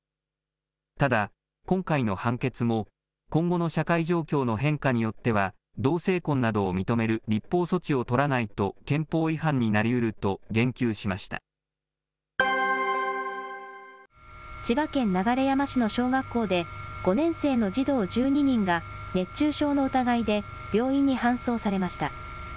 ただ、今回の判決も、今後の社会状況の変化によっては、同性婚などを認める立法措置を取らないと憲法違反になりうると言千葉県流山市の小学校で、５年生の児童１２人が熱中症の疑いで病院に搬送されました。